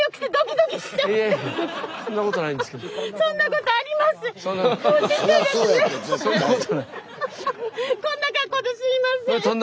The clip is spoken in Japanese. こんな格好ですいません。